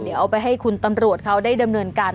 เดี๋ยวเอาไปให้คุณตำรวจเขาได้ดำเนินการ